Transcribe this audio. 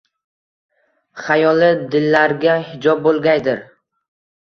Xayoli dillarga hijob bo‘lgaydir